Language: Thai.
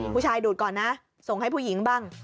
ผู้ชายดูดก่อนนะส่งให้ผู้หญิงบ้าง